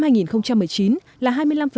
năm hai nghìn một mươi chín là hai mươi năm